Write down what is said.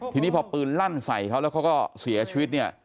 ทีนี้พอปืนลั่นใส่เขาแล้วเขาก็เสียชีวิตเนี่ย